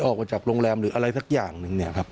ออกมาจากโรงแรมหรืออะไรสักอย่างหนึ่งเนี่ยครับ